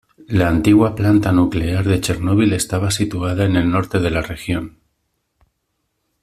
La antigua planta nuclear de Chernóbil estaba situada en el norte de la región.